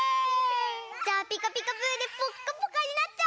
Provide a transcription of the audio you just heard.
じゃあ「ピカピカブ！」でぽっかぽかになっちゃおうか！